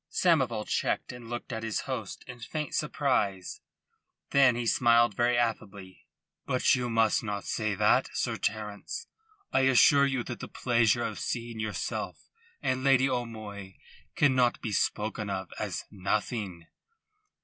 Samoval checked and looked at his host in faint surprise. Then he smiled very affably. "But you must not say that, Sir Terence. I assure you that the pleasure of seeing yourself and Lady O'Moy cannot be spoken of as nothing."